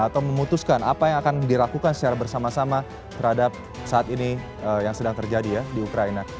atau memutuskan apa yang akan dilakukan secara bersama sama terhadap saat ini yang sedang terjadi ya di ukraina